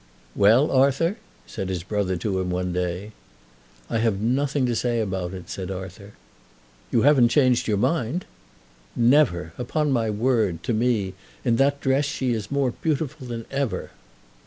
"Well, Arthur?" said his brother to him one day. "I have nothing to say about it," said Arthur. "You haven't changed your mind?" "Never! Upon my word, to me, in that dress, she is more beautiful than ever."